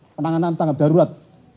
penanganan tangga darurat